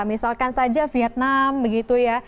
misalkan saja vietnam begitu ya